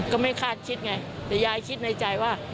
ก็ไม่คาดคิดไงแต่ยายคิดในใจว่า